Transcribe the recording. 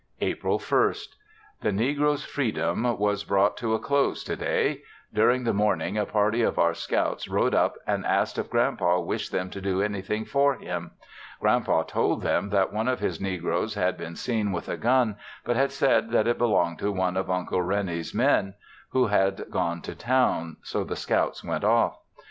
April 1st. The negroes' freedom was brought to a close to day. During the morning a party of our scouts rode up and asked if Grand Pa wished them to do anything for him. Grand Pa told them that one of his negroes had been seen with a gun but had said that it belonged to one of Uncle Rene's men who had gone to town, so the scouts went off.